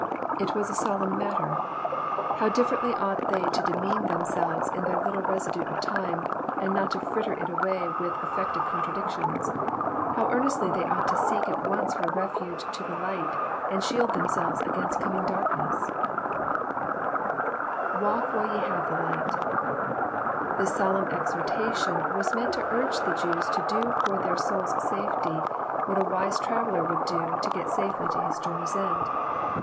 It was a solemn matter. How differently ought they to demean them selves in their little residue of time, and not to fritter it away with affected contradictions I How earnestly they ought to seek at once for refuge to the light, and shield themselves against coming darkness T' [^Wdlk while ye have the light,'] This solemn exhortation was meant to nrge the Jews to do for their souls* safety, what a wise traveller would do to get safely to his journey's end.